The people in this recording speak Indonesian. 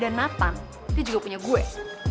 dan nathan dia juga punya gue